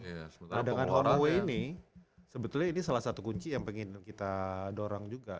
nah dengan hon away ini sebetulnya ini salah satu kunci yang pengen kita dorong juga